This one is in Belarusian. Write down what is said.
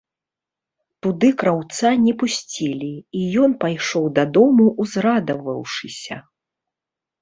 Туды краўца не пусцілі, і ён пайшоў дадому, узрадаваўшыся.